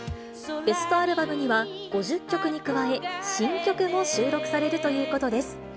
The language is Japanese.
ベストアルバムには５０曲に加え、新曲も収録されるということです。